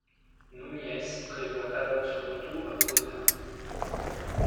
Núñez prévoit alors son retour à Bogotá.